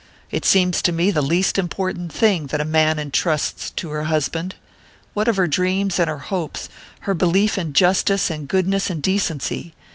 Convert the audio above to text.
It seems to me the least important thing that a woman entrusts to her husband. What of her dreams and her hopes, her belief in justice and goodness and decency?